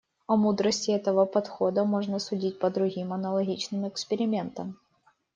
О мудрости этого подхода можно судить по другим аналогичным экспериментам.